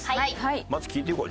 まず聞いていこう。